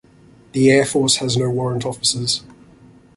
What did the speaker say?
The Air Force has no warrant officers.